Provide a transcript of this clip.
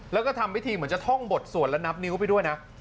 แล้วก็ทำวิธีเหมือนจะท่องบทสวดและนับนิ้วไปด้วยนะ